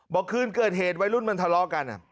เมื่อคืนเกิดเหตุไว้รุ่นมันทะเลากัน